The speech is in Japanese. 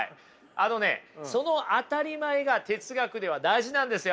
あのねその当たり前が哲学では大事なんですよ。